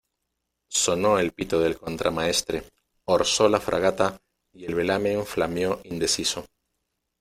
sonó el pito del contramaestre, orzó la fragata y el velamen flameó indeciso.